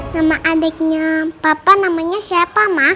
nama adiknya papa namanya siapa mak